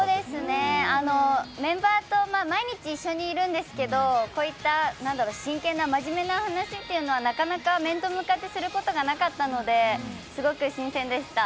メンバーと毎日一緒にいるんですけど、こういった真剣な、真面目な話しというのはなかなか面と向かってすることがなかったのですごく新鮮でした。